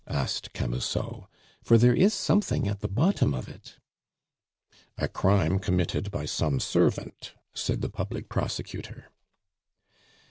asked Camusot. "For there is something at the bottom of it." "A crime committed by some servant," said the Public Prosecutor.